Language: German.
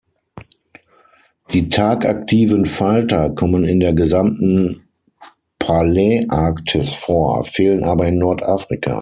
Die tagaktiven Falter kommen in der gesamten Paläarktis vor, fehlen aber in Nordafrika.